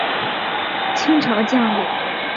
清朝将领。